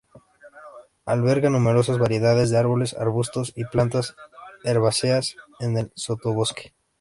Alberga numerosas variedades de árboles, arbustos y plantas herbáceas en el sotobosque.